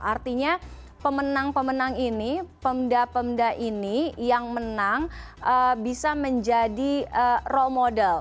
artinya pemenang pemenang ini pemda pemda ini yang menang bisa menjadi role model